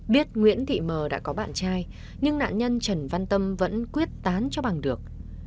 biết nguyễn thị mờ đã có bạn trai nhưng nạn nhân trần văn tâm vẫn quyết tán cho bằng được